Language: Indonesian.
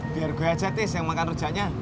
biar gue aja tis yang makan rujaknya